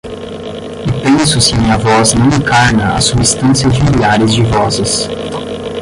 E penso se a minha voz não encarna a substância de milhares de vozes